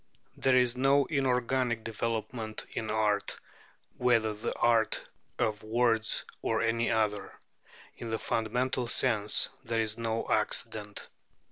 There is no inorganic development in art, whether the art of words or any other: in the fundamental sense, there is no accident.